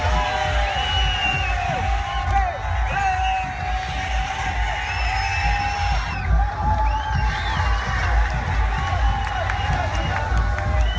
มันอาจจะไม่เอาเห็น